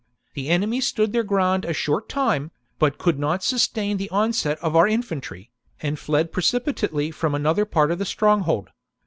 The enemy stood their ground a short time, but could not sustain the onset of our infantry, and fled precipitately from another part of the stronghold.